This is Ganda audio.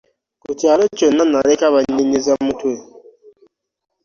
Ku kyalo kyonna naleka bannyeenyeza mutwe.